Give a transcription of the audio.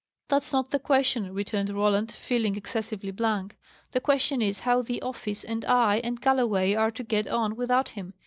"That's not the question," returned Roland, feeling excessively blank. "The question is, how the office, and I, and Galloway are to get on without him?